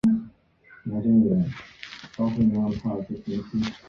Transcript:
售出军舰给日清双方的英国及当时各军事大国极为关注此场海战。